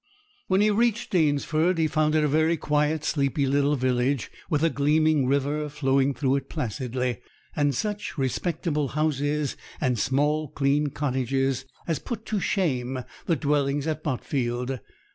When he reached Danesford, he found it a very quiet, sleepy little village, with a gleaming river flowing through it placidly, and such respectable houses and small clean cottages as put to shame the dwellings at Botfield.